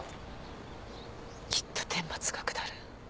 きっと天罰が下る。